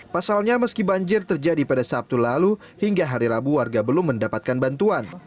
pasalnya meski banjir terjadi pada sabtu lalu hingga hari rabu warga belum mendapatkan bantuan